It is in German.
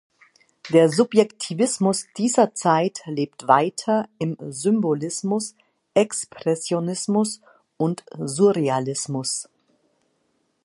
Der Subjektivismus dieser Zeit lebt weiter im Symbolismus, Expressionismus und Surrealismus.